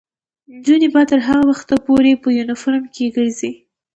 نجونې به تر هغه وخته پورې په یونیفورم کې ګرځي.